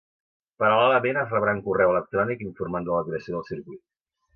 Paral·lelament es rebrà un correu electrònic informant de la creació del circuit.